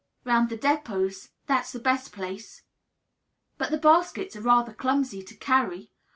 "Round the depots. That's the best place." "But the baskets are rather clumsy to carry.